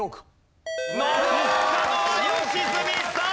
残ったのは良純さん！